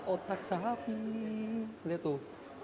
otak sapi lihat tuh